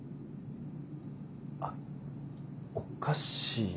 あっおかし。